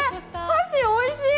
箸おいしい。